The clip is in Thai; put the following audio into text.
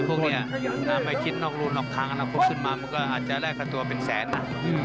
พวกนี้ถ้าไม่คิดนอกรุนนอกครั้งอาจจะแรกตัวเป็นแสนนะ